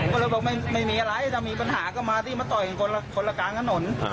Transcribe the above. ก็เลยบอกไม่มีอะไรถ้ามีปัญหาก็มารีบมาต่อยคนละกานกระหน่อน